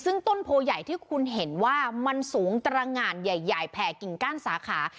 ซึ่งต้นโพใหญ่ที่คุณเห็นว่ามันสูงตรงานใหญ่แผ่กิ่งก้านสาขา